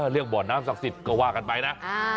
เรื่องบ่อน้ำศักดิ์สิทธิ์ก็ว่ากันไปนะ